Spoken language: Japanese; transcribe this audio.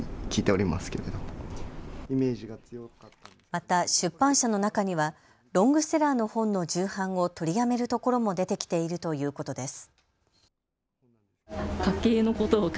また出版社の中にはロングセラーの本の重版を取りやめるところも出てきているということです。